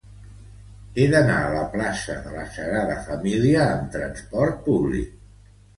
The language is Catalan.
He d'anar a la plaça de la Sagrada Família amb trasport públic.